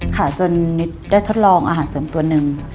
จนนิดได้ทดลองอาหารเสริมตัวหนึ่ง